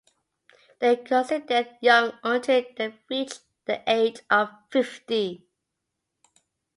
They’re considered young until they reach the age of fifty.